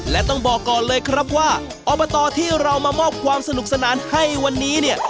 และต้องบอกก่อนเลยครับว่าอบตที่เรามามอบความสนุกสนานให้วันนี้เนี่ย